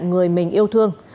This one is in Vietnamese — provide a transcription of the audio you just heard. người mình yêu thương